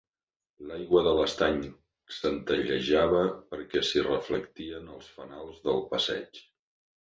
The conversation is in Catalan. L'aigua de l'estany centellejava perquè s'hi reflectien els fanals del passeig.